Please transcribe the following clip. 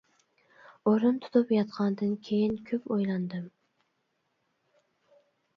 ئورۇن تۇتۇپ ياتقاندىن كېيىن كۆپ ئويلاندىم.